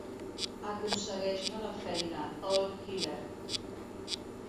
Aconsegueix-me la feina, All Killer.